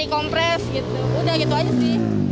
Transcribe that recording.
kompres gitu udah gitu aja sih